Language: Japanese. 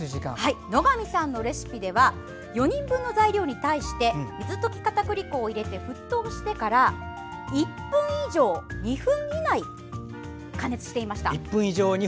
野上さんのレシピでは４人分の材料に対して水溶きかたくり粉を入れて沸騰してから１分以上２分以内加熱していました。